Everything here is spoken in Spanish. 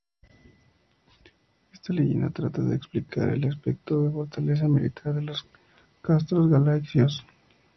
Esta leyenda trata de explicar el aspecto de fortaleza militar de los castros galaicos.